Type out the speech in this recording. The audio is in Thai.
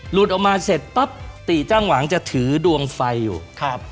หลุดออกมาเสร็จปั๊บติจังหวังจะถือดวงไฟอยู่